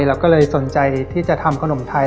เราก็เลยสนใจที่จะทำขนมไทย